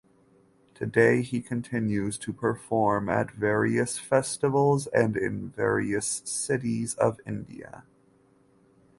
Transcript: Today he continues to perform at various festivals and in various cities of India.